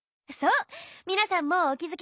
みなさんもうお気付きですね。